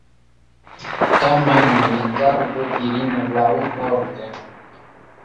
Tamen ni rigardu ilin laŭorde.